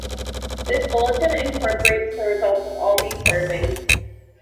This bulletin incorporates the results of all these surveys.